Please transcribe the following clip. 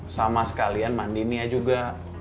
sama sekalian mandi nia juga